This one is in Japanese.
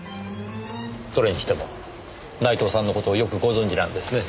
それにしても内藤さんの事をよくご存じなんですね。